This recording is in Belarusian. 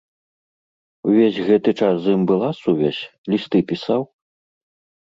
Увесь гэты час з ім была сувязь, лісты пісаў?